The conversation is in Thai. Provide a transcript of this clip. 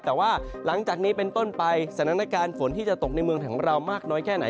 แต่ว่าหลังจากนี้เป็นต้นไปสถานการณ์ฝนที่จะตกในเมืองของเรามากน้อยแค่ไหน